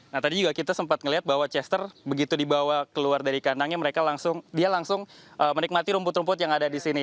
nah tadi juga kita sempat melihat bahwa chester begitu dibawa keluar dari kandangnya mereka langsung dia langsung menikmati rumput rumput yang ada di sini